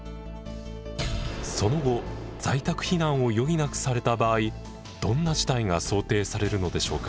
その後在宅避難を余儀なくされた場合どんな事態が想定されるのでしょうか？